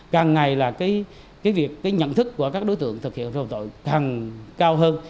càng ngày là cái việc cái nhận thức của các đối tượng thực hiện sâu tội càng cao hơn